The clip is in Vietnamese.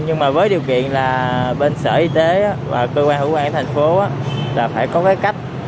nhưng mà với điều kiện là bên sở y tế và cơ quan hữu quan thành phố là phải có cái cách